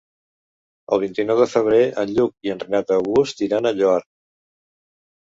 El vint-i-nou de febrer en Lluc i en Renat August iran al Lloar.